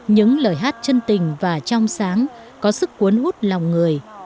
những lời hát chân tình và trong sáng có sức cuốn hút lòng người